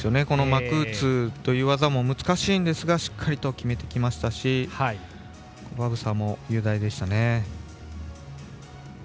マクーツという技も難しいんですがしっかりと決めてきましたしバブサーも雄大でしたね。